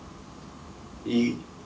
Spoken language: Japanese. いい。